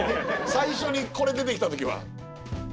最初にこれ出てきた時は。